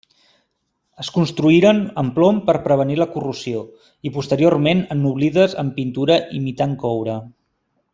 Es construïren en plom per prevenir la corrosió, i posteriorment ennoblides amb pintura imitant coure.